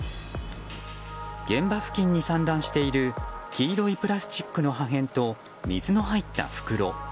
現場付近に散乱している黄色のプラスチックの破片と水の入った袋。